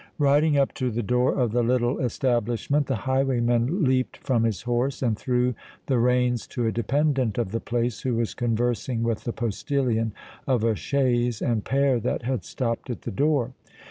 Riding up to the door of the little establishment, the highwayman leapt from his horse, and threw the reins to a dependant of the place who was conversing with the postillion of a chaise and pair that had stopped at the door.